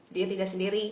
dia tidak sendiri